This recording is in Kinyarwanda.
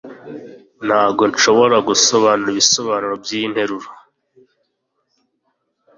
Ntabwo nshobora gusobanura ibisobanuro byiyi nteruro.